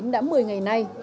đã một mươi ngày nay